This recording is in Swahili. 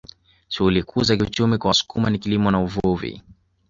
Shughuli kuu za kiuchumi kwa Wasukuma ni kilimo na uvuvi